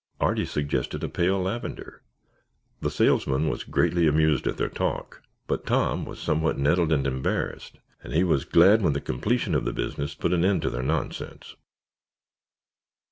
Artie suggested a pale lavender. The salesman was greatly amused at their talk, but Tom was somewhat nettled and embarrassed, and he was glad when the completion of the business put an end to their nonsense.